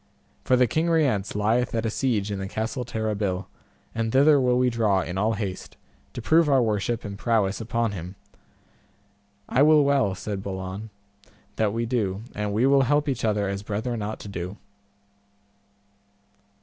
For the King Rience lieth at a siege at the Castle Terrabil, and thither will we draw in all haste, to prove our worship and prowess upon him. I will well, said Balan, that we do, and we will help each other as brethren ought to do.